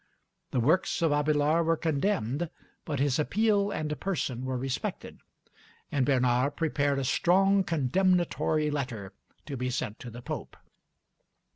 The works of Abélard were condemned, but his appeal and person were respected, and Bernard prepared a strong condemnatory letter to be sent to the Pope.